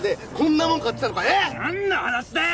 なんの話だよ！